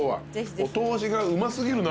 お通しがうま過ぎるな。